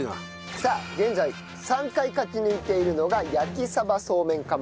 さあ現在３回勝ち抜いているのが焼鯖そうめん釜飯。